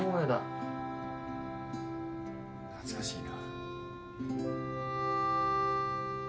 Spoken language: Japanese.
懐かしいな。